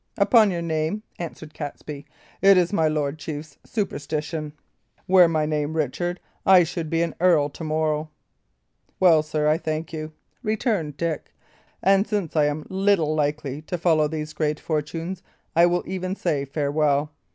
"Upon your name," answered Catesby. "It is my lord's chief superstition. Were my name Richard, I should be an earl to morrow." "Well, sir, I thank you," returned Dick; "and since I am little likely to follow these great fortunes, I will even say farewell.